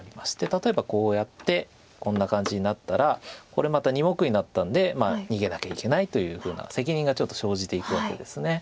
例えばこうやってこんな感じになったらこれまた２目になったんで逃げなきゃいけないというふうな責任がちょっと生じていくわけです。